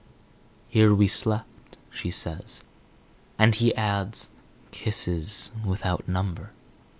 "Here we slept," she says. And he adds, "Kisses without number."